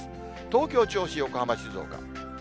東京、銚子、横浜、静岡。